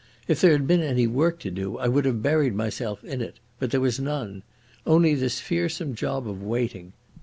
If there had been any work to do I would have buried myself in it, but there was none. Only this fearsome job of waiting.